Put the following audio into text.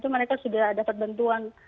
mereka sudah dapat bantuan